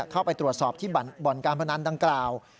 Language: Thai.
เข้าไปตรวจสอบที่บ่อนการพนันดังกล่าว